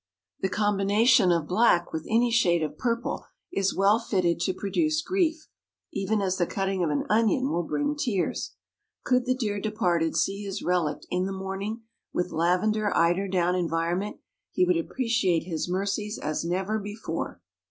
The combination of black with any shade of purple is well fitted to produce grief, even as the cutting of an onion will bring tears. Could the dear departed see his relict in the morning, with lavender eiderdown environment, he would appreciate his mercies as never before.